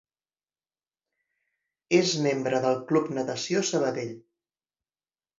És membre del Club Natació Sabadell.